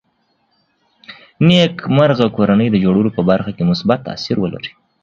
نېکمرغه کورنۍ د جوړولو په برخه کې مثبت تاثیر ولري